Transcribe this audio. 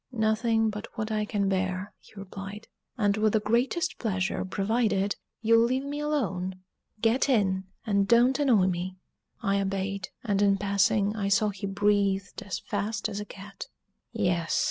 "Nothing but what I can bear," he replied, "and with the greatest pleasure, provided you'll leave me alone get in, and don't annoy me." I obeyed; and in passing, I saw he breathed as fast as a cat. "Yes!"